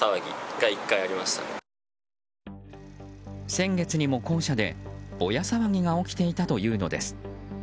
先月にも校舎で、ボヤ騒ぎが起きていたというのです。